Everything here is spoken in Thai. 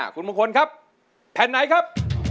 คุณมงคลครับแผ่นไหนครับ